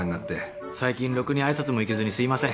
最近ろくに挨拶も行けずにすいません。